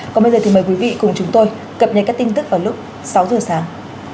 còn bây giờ thì mời quý vị cùng chúng tôi cập nhật các tin tức vào lúc sáu giờ sáng